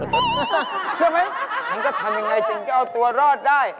เชื่อไหมฉันก็ทำอย่างไรฉันก็เอาตัวรอดได้